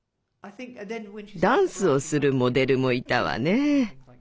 ダンスをするモデルもいたわね。